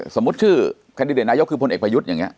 สมมุติชื่อแคนดิเดตนายกคือพลเอกประยุทธ์อย่างนี้